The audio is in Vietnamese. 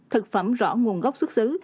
thực phẩm rõ nguồn gốc xuất xứ